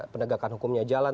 pendegakan hukumnya jalan